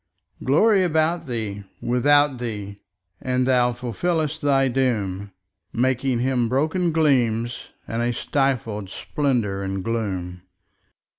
Glory about thee, without thee; and thou fulfillest thy doom, Making Him broken gleams, and a stifled splendour and gloom.